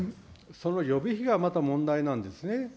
その予備費がまた問題なんですね。